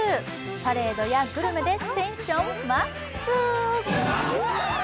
パレードやグルメでテンションマックス。